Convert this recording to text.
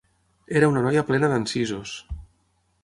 Era una noia plena d'encisos!